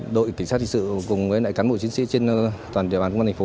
đội cảnh sát hình sự cùng với cán bộ chiến sĩ trên toàn địa bàn công an thành phố